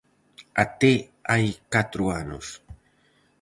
Até hai catro anos.